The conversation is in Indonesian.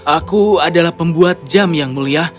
aku adalah pembuat jam yang mulia